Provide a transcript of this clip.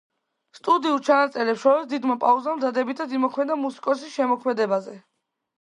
სტუდიურ ჩანაწერებს შორის დიდმა პაუზამ დადებითად იმოქმედა მუსიკოსის შემოქმედებაზე.